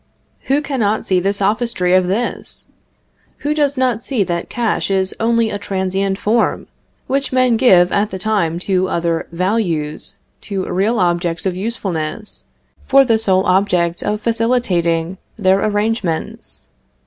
Who cannot see the sophistry of this? Who does not see that cash is only a transient form, which men give at the time to other values, to real objects of usefulness, for the sole object of facilitating their arrangements?